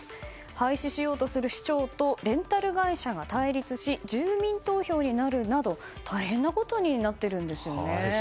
廃止しようとする市長とレンタル会社が対立し住民投票になるなど大変なことになってるんですよね。